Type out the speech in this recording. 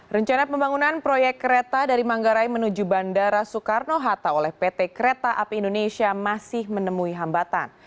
rencana pembangunan proyek kereta dari manggarai menuju bandara soekarno hatta oleh pt kereta api indonesia masih menemui hambatan